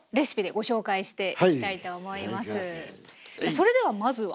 それではまずは。